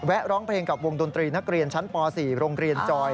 ร้องเพลงกับวงดนตรีนักเรียนชั้นป๔โรงเรียนจอย